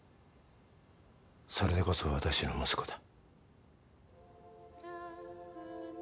それでこそ私の息子だ。